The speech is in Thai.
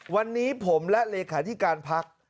วันนี้ผมและเลขาธิการพัก